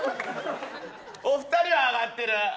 お二人は上がってる。